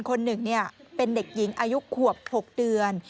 คนหนึ่งเป็นเด็กหญิงอายุขวบ๖เดือน